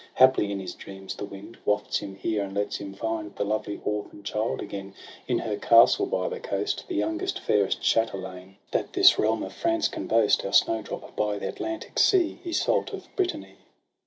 Haply in his dreams the wind Wafts him here, and lets him find The lovely orphan child again In her casde by the coast; The youngest, fairest chatelaine, That this realm of France can boast, Our snowdrop by the Atlantic sea, Iseult of Brittany.